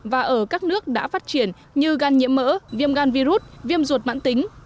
và ở các nước đã phát triển như gan nhiễm mỡ viêm gan virus viêm ruột mãn tính